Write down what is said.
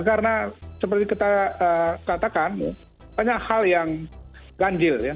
karena seperti kita katakan banyak hal yang ganjil ya